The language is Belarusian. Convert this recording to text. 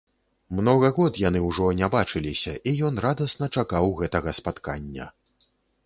Многа год яны ўжо не бачыліся, і ён радасна чакаў гэтага спаткання.